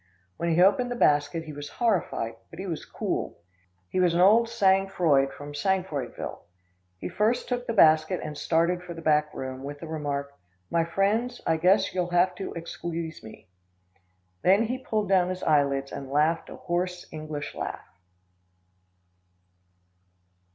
When he opened the basket he was horrified, but he was cool. He was old sang froid from Sangfroidville. He first took the basket and started for the back room, with the remark: "My friends, I guess you will have to ex queuese me." Then he pulled down his eyelids and laughed a hoarse English laugh.